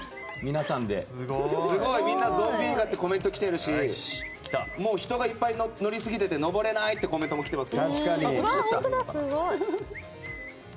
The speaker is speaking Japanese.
ゾンビ映画ってコメントがきてるし人がいっぱい乗りすぎてて登れないってコメントもきてます。